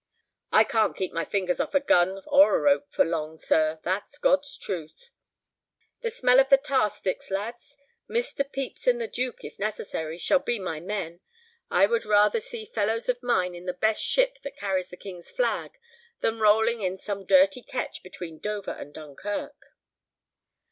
"I can't keep my fingers off a gun or a rope for long, sir, that's God's truth." "The smell of the tar sticks, lads? Mr. Pepys and the Duke, if necessary, shall be my men. I would rather see fellows of mine in the best ship that carries the King's flag than rolling in some dirty ketch between Dover and Dunkirk."